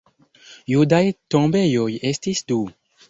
Judaj tombejoj estis du.